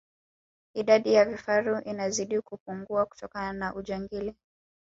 idadi ya vifaru inazidi kupungua kutokana na ujangili